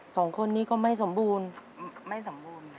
สองคนนี่ก็ไม่สมบูรณ์